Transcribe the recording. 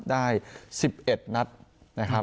ได้๑๑นัดนะครับ